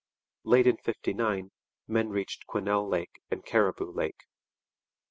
Late in '59 men reached Quesnel Lake and Cariboo Lake.